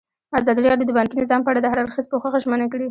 ازادي راډیو د بانکي نظام په اړه د هر اړخیز پوښښ ژمنه کړې.